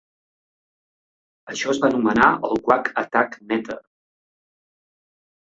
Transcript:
Això es va anomenar el Quack Attack Meter.